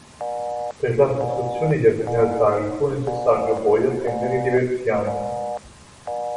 Per la costruzione di alcuni altari fu necessario poi attendere diversi anni.